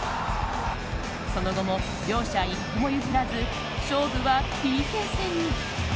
その後も、両者一歩も譲らず勝負はＰＫ戦に。